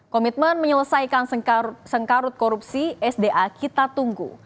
komitmen menyelesaikan sengkarut korupsi sda kita tunggu